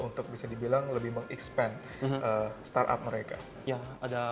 untuk bisa dibilang lebih mengekspan startup mereka